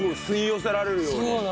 吸い寄せられるように？